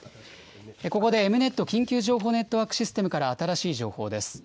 ここでエムネット・緊急情報ネットワークシステムから新しい情報です。